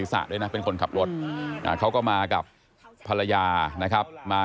อย่าอย่าอย่าอย่าอย่าอย่าอย่าอย่าอย่าอย่าอย่าอย่าอย่าอย่า